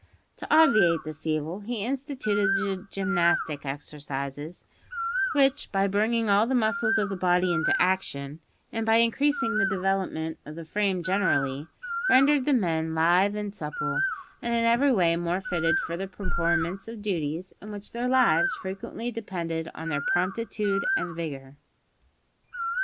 To obviate this evil he instituted the gymnastic exercises, which, by bringing all the muscles of the body into action, and by increasing the development of the frame generally, rendered the men lithe and supple, and in every way more fitted for the performance of duties in which their lives frequently depended on their promptitude and vigour.